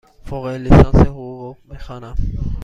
فوق لیسانس حقوق می خوانم.